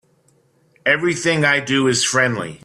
Everything I do is friendly.